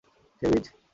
সেই বীজ।